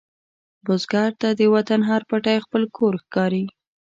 بزګر ته د وطن هر پټی خپل کور ښکاري